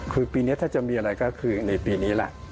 คือปีนี้ถ้าจะมีอะไรก็คือในปีนี้แหละ